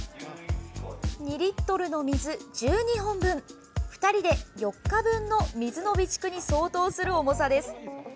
２リットルの水、１２本分２人で４日分の水の備蓄に相当する重さです。